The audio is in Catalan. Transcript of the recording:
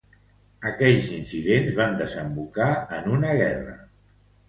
Aquells incidents van desembocar en una guerra.